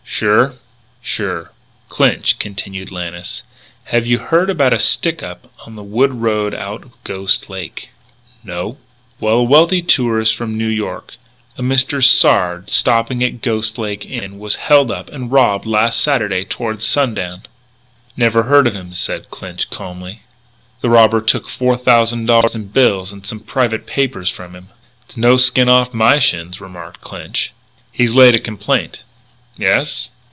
"Sure?" "Sure." "Clinch," continued Lannis, "have you heard about a stick up on the wood road out of Ghost Lake?" "No." "Well, a wealthy tourist from New York a Mr. Sard, stopping at Ghost Lake Inn was held up and robbed last Saturday toward sundown." "Never heard of him," said Clinch, calmly. "The robber took four thousand dollars in bills and some private papers from him." "It's no skin off my shins," remarked Clinch. "He's laid a complaint." "Yes?"